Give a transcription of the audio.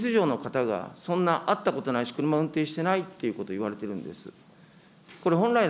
これ、実はウグイス嬢の方が、そんな会ったことないし、車運転してないということをいわれているんです。